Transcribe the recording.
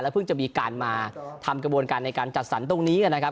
เพิ่งจะมีการมาทำกระบวนการในการจัดสรรตรงนี้นะครับ